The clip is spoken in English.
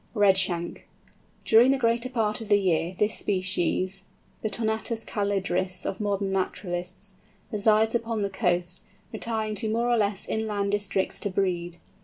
REDSHANK. During the greater part of the year this species—the Totanus calidris of modern naturalists—resides upon the coasts, retiring to more or less inland districts to breed.